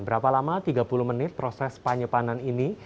berapa lama tiga puluh menit proses penyepanan ini